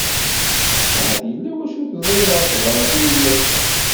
Ahat yella wacu teẓriḍ ɣef tebratin n wassa.